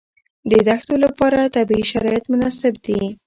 د دښتو لپاره طبیعي شرایط مناسب دي.